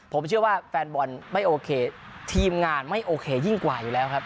ผมเชื่อว่าแฟนบอลไม่โอเคทีมงานไม่โอเคยิ่งกว่าอยู่แล้วครับ